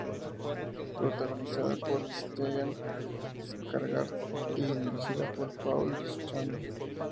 Protagonizada por Stellan Skarsgård y dirigida por Paul Schrader.